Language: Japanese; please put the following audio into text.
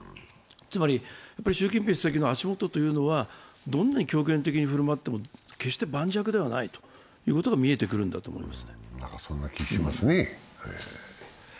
つまり、習近平主席の足元はどんなに強権的に振る舞っても決して盤石ではないということが見えてくるんだと思います。